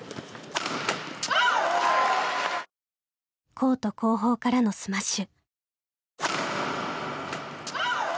コート後方からのスマッシュ。